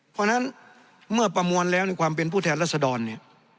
เพราะฉะนั้นเมื่อประมวลแล้วในความเป็นผู้แทนรัศดรเนี่ย